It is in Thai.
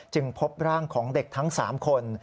พบร่างของเด็กทั้ง๓คน